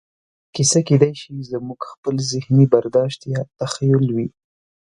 کیسه کېدای شي زموږ خپل ذهني برداشت یا تخیل وي.